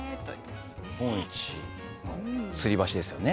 日本一のつり橋ですよね